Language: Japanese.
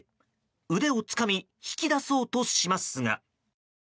腕をつかみ引き出そうとしますが。